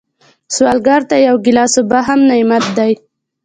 سوالګر ته یو ګیلاس اوبه هم نعمت دی